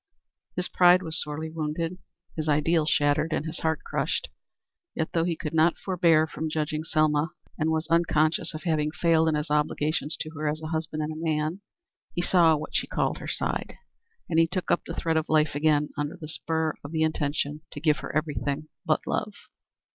His pride was sorely wounded, his ideals shattered and his heart crushed; yet, though he could not forbear from judging Selma, and was unconscious of having failed in his obligations to her as a husband and a man, he saw what she called her side, and he took up the thread of life again under the spur of an intention to give her everything but love.